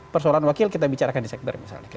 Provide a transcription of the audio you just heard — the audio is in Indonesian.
persoalan wakil kita bicarakan di sekber misalnya